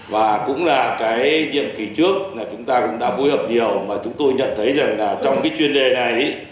và cũng là cái nhiệm kỳ trước là chúng ta cũng đã phối hợp nhiều mà chúng tôi nhận thấy rằng là trong cái chuyên đề này